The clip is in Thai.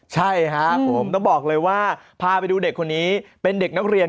ใช่ครับผมต้องบอกเลยว่าพาไปดูเด็กคนนี้เป็นเด็กนักเรียน